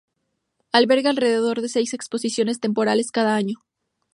Alberga alrededor de seis exposiciones temporales cada año.